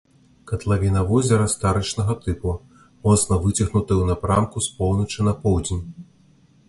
Катлавіна возера старычнага тыпу, моцна выцягнутая ў напрамку з поўначы на поўдзень.